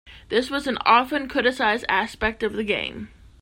This was an often criticized aspect of the game.